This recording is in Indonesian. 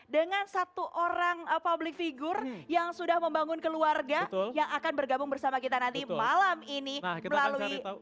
dengan satu orang public figure yang sudah membangun keluarga yang akan bergabung bersama kita nanti malam ini melalui